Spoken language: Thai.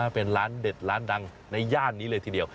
เป็นร้านเด็ดร้านดังในย่านนี้เลยทีเดียว